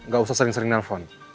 gak usah sering sering nelfon